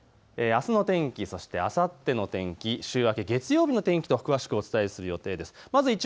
あすの天気、そしてあさっての天気、週明け月曜日の天気と詳しくお伝えする予定です。